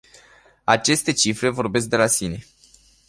Aceste cifre vorbesc de la sine!